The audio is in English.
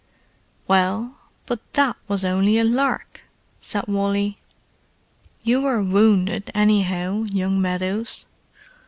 "Well, but that was only a lark!" said Wally. "You were wounded, anyhow, young Meadows.